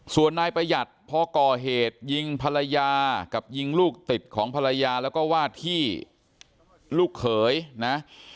ส่วนนายประหยัดพอก่อเหตุยิงภรรยากับยิงลูกติดของภรรยาแล้วก็ว่าที่ลูกเขยนะ